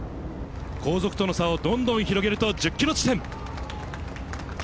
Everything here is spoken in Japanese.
後続との差をどんどん広げると、１０キロ地点。